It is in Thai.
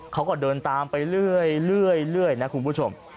เขาก็เดินตามไปเรื่อยนะคุณผู้ชม